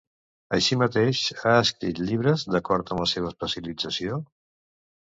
Així mateix, ha escrit llibres d'acord amb la seva especialització?